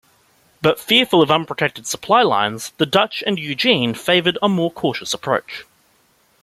But fearful of unprotected supply-lines, the Dutch and Eugene favoured a more cautious approach.